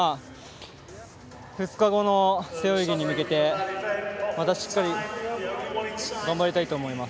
２日後の背泳ぎに向けてまたしっかり頑張りたいと思います。